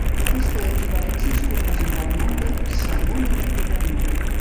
Aquesta equivalència es coneix amb el nom de "segona identitat noble".